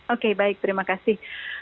oke baik terima kasih